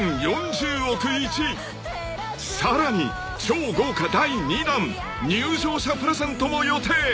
［さらに超豪華第２弾入場者プレゼントも予定］